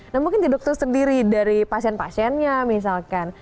nah mungkin tidak terdiri dari pasien pasiennya misalkan